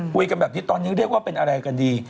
คุยกันแบบนี้ตอนนี้เรียกว่าเป็นอะไรกันดี